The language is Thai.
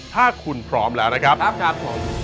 ถ้าคุณพร้อมแล้วนะครับครับผม